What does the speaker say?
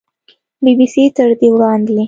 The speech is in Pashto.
بي بي سي تر دې وړاندې